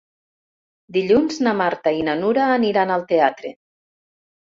Dilluns na Marta i na Nura aniran al teatre.